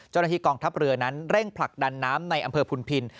เจ้าหน้าที่กองทัพเรือนั้นเร่งผลักดันน้ำในอำเภอพุนพิน